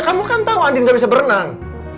kamu kan tahu andin gak bisa berenang